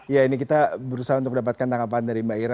ya ini kita berusaha untuk mendapatkan tanggapan dari mbak ira